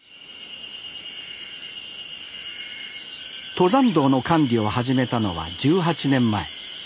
登山道の管理を始めたのは１８年前。